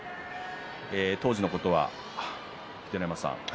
当時のことは秀ノ山さん